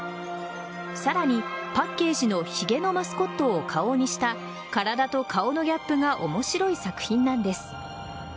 さらにパッケージのひげのマスコットを顔にした体と顔のギャップが面白い作品なんです。